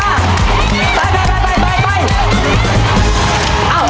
เร็วหนึ่ง